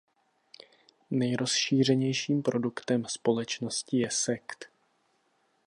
Nejrozšířenějším produktem společnosti je sekt.